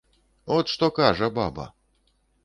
От што кажа баба.